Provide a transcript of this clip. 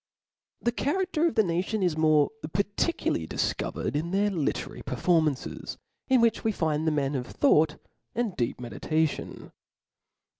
The charafter of the nation is more particularly difcovered in their literary performances, in which we find the men of thought and deep meditation.